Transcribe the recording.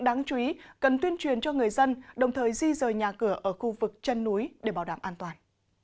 đáng chú ý cần tuyên truyền cho người dân đồng thời di rời nhà cửa ở khu vực chân núi để bảo đảm an toàn